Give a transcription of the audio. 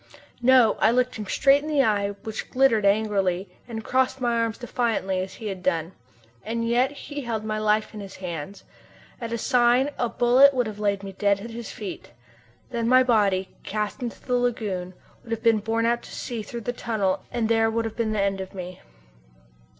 No! I looked him straight in the eyes, which glittered angrily, and crossed my arms defiantly, as he had done. And yet he held my life in his hands! At a sign a bullet would have laid me dead at his feet. Then my body, cast into the lagoon, would have been borne out to sea through the tunnel and there would have been an end of me.